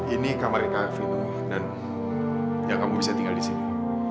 ini kamar rekaan vino dan kamu bisa tinggal disini